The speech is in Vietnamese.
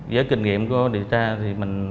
với kinh nghiệm của điều tra thì mình